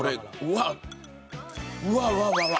うわうわうわうわ！